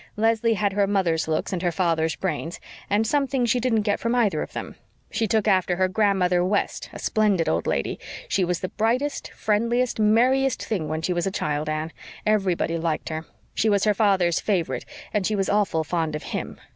Leslie had her mother's looks and her father's brains, and something she didn't get from either of them. She took after her Grandmother West a splendid old lady. She was the brightest, friendliest, merriest thing when she was a child, Anne. Everybody liked her. She was her father's favorite and she was awful fond of him.